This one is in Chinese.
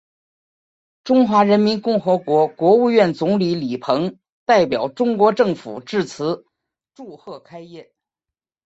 中华人民共和国国务院总理李鹏代表中国政府致词祝贺开业。